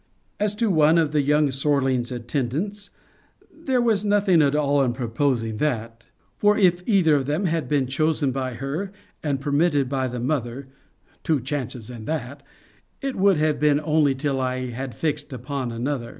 As to one of the young Sorling's attendance, there was nothing at all in proposing that; for if either of them had been chosen by her, and permitted by the mother [two chances in that!] it would have been only till I had fixed upon another.